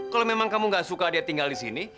kalau memang kamu gak suka dia tinggal di sini